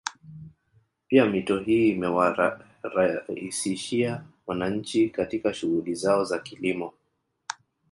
Pia mito hii imewaraisishia wananchi katika shughuli zao za kilimo